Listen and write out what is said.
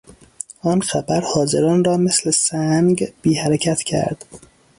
آن خبر حاضران را مثل سنگ بی حرکت کرد.